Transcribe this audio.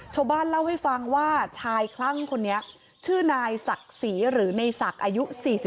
ชาวบ้านเล่าให้ฟังว่าชายคลั่งคนนี้ชื่อนายศักดิ์ศรีหรือในศักดิ์อายุ๔๒